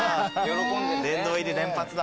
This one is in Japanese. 殿堂入り連発だ。